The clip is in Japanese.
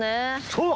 そう！